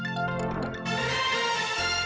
สวัสดีครับ